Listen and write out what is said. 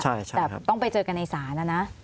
แต่ต้องไปเจอกันในศาลนะนะ